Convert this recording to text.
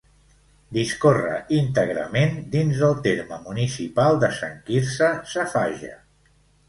Discorre íntegrament dins del terme municipal de Sant Quirze Safaja.